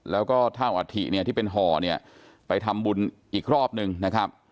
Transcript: แล้วก็เท่าอัฐิเนี่ยที่เป็นห่อเนี่ยไปทำบุญอีกรอบนึงนะครับ